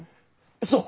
そう。